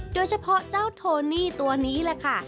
โดยเฉพาะเจ้าโทนี่ตัวนี้แหละค่ะ